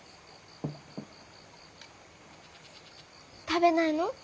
食べないの？